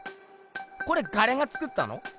これガレがつくったの？